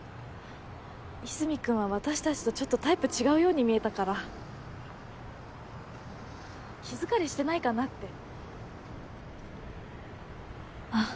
和泉君は私達とちょっとタイプ違うように見えたから気疲れしてないかなってあっ